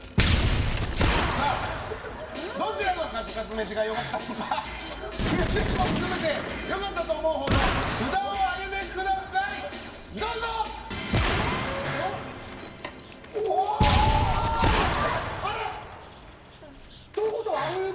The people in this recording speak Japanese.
どちらのカツカツ飯が良かったのかプレゼンも含めて良かったと思うほうの札を上げてください。ということは？